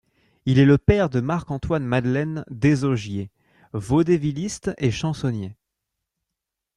Il est le père de Marc-Antoine-Madeleine Désaugiers, vaudevilliste et chansonnier.